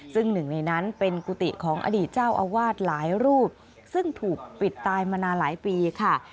ซึ่งหนึ่งในนั้นเป็นกุฏิของอดีตเจ้าอาวาสหลายรูปซึ่งถูกปิดตายมานานหลายปีค่ะ